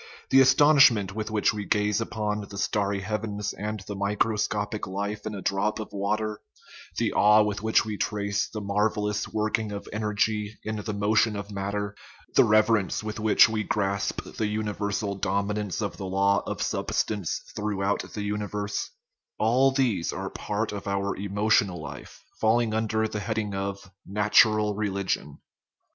The astonish ment with which we gaze upon the starry heavens and the microscopic life in a drop of water, the awe with which we trace the marvellous working of energy in the motion of matter, the reverence with which we grasp the universal dominance of the law of substance throughout the universe all these are part of our emotional life, falling under the heading of " natural religion."